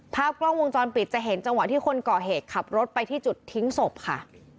ภาพกล้องวงจรปิดจะเห็นจังหวะที่คนก่อเหตุขับรถไปที่จุดทิ้งศพค่ะ